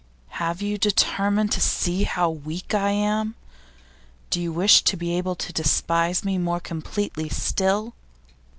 'Have you determined to see how weak I am? Do you wish to be able to despise me more completely still?